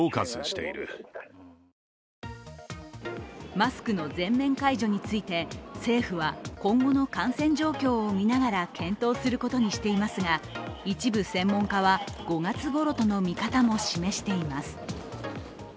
マスクの全面解除について政府は今後の感染状況を見ながら検討することにしていますが、一部専門家は５月ごろとの見方も示しています。